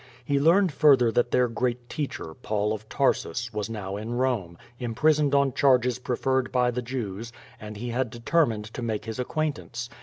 He learned further that their great teacher, Paul, of Tarsus, was now in Rome, imprisoned on charges preferred by the Jews and he had determined to make his acquaintance.